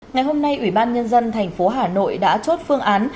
ngày hôm nay ủy ban nhân dân thành phố hà nội đã chốt phương án